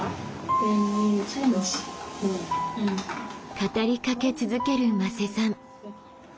語りかけ続ける馬瀬さん。